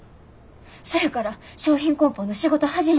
そやから商品こん包の仕事始めて。